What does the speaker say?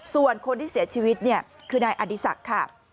ส่วนคนที่เสียชีวิตคือนายอดิษักษ์